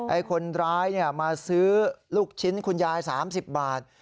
ไอ้คนร้ายเนี่ยมาซื้อลูกชิ้นคุณยาย๓๐บาท